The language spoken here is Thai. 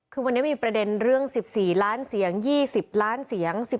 คือวันนี้มีประเด็นเรื่อง๑๔ล้านเสียง๒๐ล้านเสียง